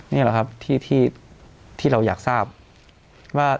นี่หรอครับที่ที่ที่เราอยากทราบว่า